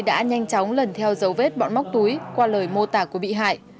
đã nhanh chóng lần theo dấu vết bọn móc túi qua lời mô tả của bị hại